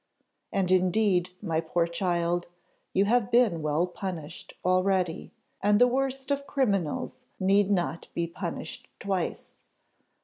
And indeed, my poor child, you have been well punished already, and the worst of criminals need not be punished twice.